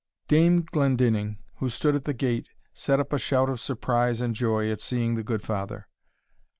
Dame Glendinning, who stood at the gate, set up a shout of surprise and joy at seeing the good father.